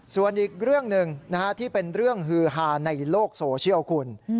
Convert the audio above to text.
ส่วนอีกเรื่องหนึ่งที่เป็นเรื่องฮือฮาในโลกโซเชียลคุณ